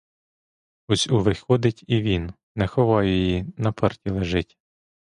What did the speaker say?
Ось увіходить і він, — не ховаю її, на парті лежить.